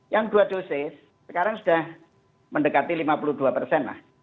yang dua dosis sekarang sudah mendekati lima puluh dua persen lah